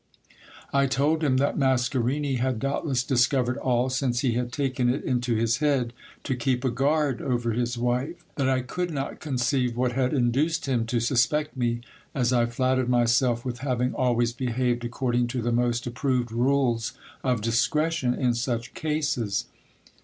I told him that Mascarini had doubtless discovered all, since he had taken it into his head to keep a guard over his wife : that I could not conceive what had induced him to sus pect me, as I flattered myself with having always behaved according to the most approved rules of discretion in such cases.